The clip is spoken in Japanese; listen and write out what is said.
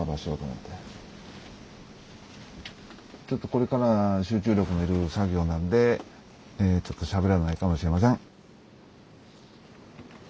ちょっとこれからは集中力のいる作業なんでえちょっとしゃべらないかもしれません！